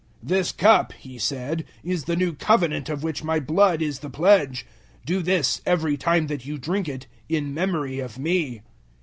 "This cup," He said, "is the new Covenant of which my blood is the pledge. Do this, every time that you drink it, in memory of me."